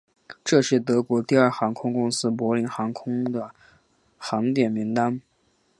这是德国第二大航空公司柏林航空的航点名单。